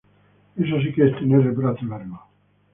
Eso sí que es tener el brazo largo.